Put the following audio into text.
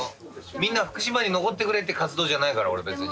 みんな福島に残ってくれって活動じゃないから俺別に。